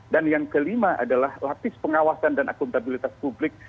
dan yang kelima adalah lapis pengawasan dan akuntabilitas publik